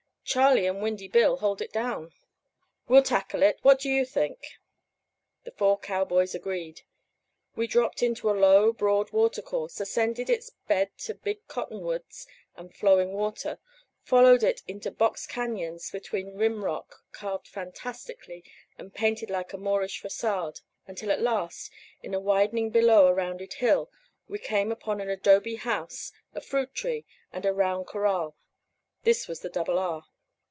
Charley and Windy Bill hold it down. We'll tackle it. What do you think?" The four cowboys agreed. We dropped into a low, broad watercourse, ascended its bed to big cottonwoods and flowing water, followed it into box cañons between rim rock carved fantastically and painted like a Moorish façade, until at last in a widening below a rounded hill, we came upon an adobe house, a fruit tree, and a round corral. This was the Double R.